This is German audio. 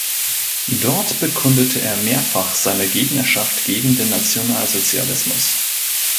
Dort bekundete er mehrfach seine Gegnerschaft gegen den Nationalsozialismus.